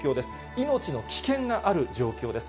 命の危険がある状況です。